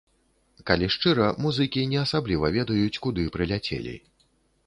Калі шчыра, музыкі не асабліва ведаюць, куды прыляцелі.